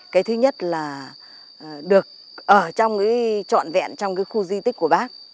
cái thứ nhất là được ở trong cái trọn vẹn trong cái khu di tích của bác